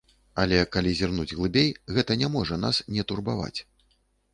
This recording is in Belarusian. Але, калі зірнуць глыбей, гэта не можа нас не турбаваць.